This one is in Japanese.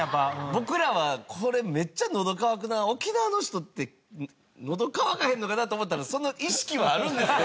僕らはこれめっちゃのど渇くな沖縄の人ってのど渇かへんのかなと思ったらその意識はあるんですね。